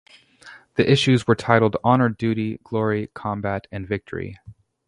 The issues were titled "Honor", "Duty", "Glory", "Combat" and "Victory".